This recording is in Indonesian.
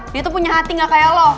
dia tuh punya hati gak kayak lo